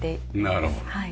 なるほど。